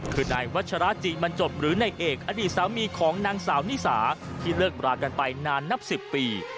คือนายวัชราจีบรรจบหรือนายเอกอดีตสามีของนางสาวนิสาที่เลิกรากันไปนานนับ๑๐ปี